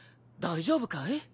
大丈夫かい？